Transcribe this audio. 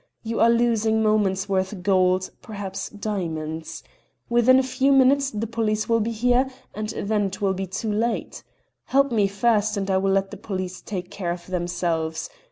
You are losing moments worth gold, perhaps diamonds! Within a few minutes the police will be here, and then it will be too late. Help me first, and I will let the police take care of themselves.